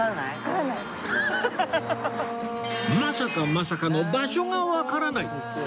まさかまさかの場所がわからない！？